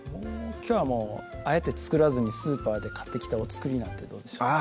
きょうはもうあえて作らずにスーパーで買ってきたお造りなんてどうでしょうか？